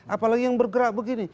apalagi yang bergerak begini